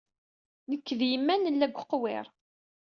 Nekk d yemma nella deg uqwiṛ.